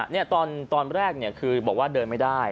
เนี่ยตอนแรกเนี่ยคือบอกว่าเดินไม่ได้